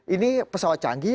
ini pesawat canggih